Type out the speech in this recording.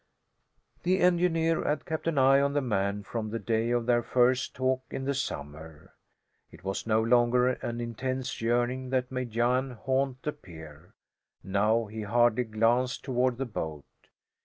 The engineer had kept an eye on the man from the day of their first talk in the summer. It was no longer an intense yearning that made Jan haunt the pier. Now he hardly glanced toward the boat.